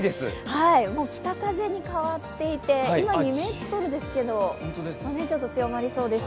もう北風に変わっていて今２メートルですけれども、もうちょっと強まりそうです。